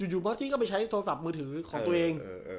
บอสซี่ก็ไปใช้โทรศัพท์มือถือของตัวเอง